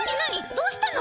どうしたの？